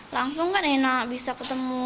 langsung kan enak bisa ketemu